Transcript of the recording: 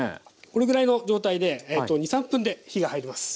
これぐらいの状態で２３分で火が入ります。